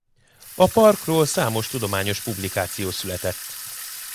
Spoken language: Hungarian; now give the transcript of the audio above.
A parkról számos tudományos publikáció született.